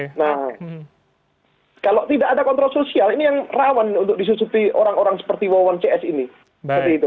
nah kalau tidak ada kontrol sosial ini yang rawan untuk disusupi orang orang seperti wawon cs ini